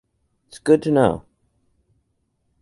It's good to know.